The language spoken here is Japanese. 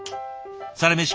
「サラメシ」